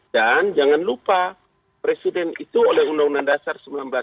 dan jangan lupa presiden itu oleh undang undang dasar seribu sembilan ratus empat puluh lima